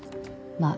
まあ